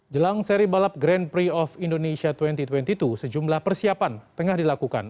jelang seri balap grand prix of indonesia dua ribu dua puluh dua sejumlah persiapan tengah dilakukan